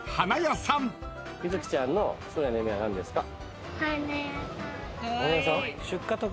ゆずきちゃんの将来の夢は何ですか？